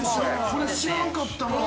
◆これ、知らんかったなあ。